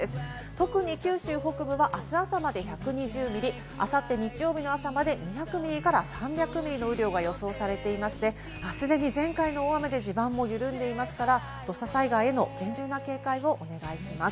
特に九州北部はあす朝まで１２０ミリ、あさって日曜日の朝まで２００ミリから３００ミリの雨量が予想されていまして、既に前回の大雨で地盤も緩んでいますから、土砂災害への厳重な警戒をお願いします。